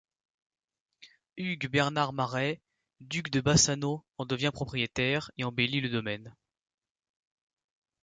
Hugues Bernard Maret, Duc de Bassano en devient propriétaire et embellit le domaine.